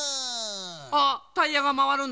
あっタイヤがまわるんだ。